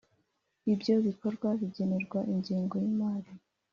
Ibyo bikorwa bigenerwa ingengo y’imari